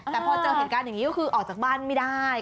แต่พอเจอเหตุการณ์อย่างนี้ก็คือออกจากบ้านไม่ได้